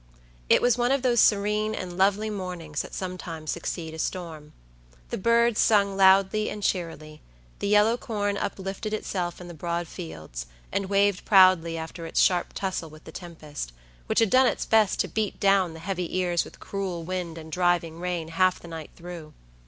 It was one of those serene and lovely mornings that sometimes succeed a storm. The birds sung loud and cheerily, the yellow corn uplifted itself in the broad fields, and waved proudly after its sharp tussle with the tempest, which had done its best to beat down the heavy ears with cruel wind and driving rain half the night through.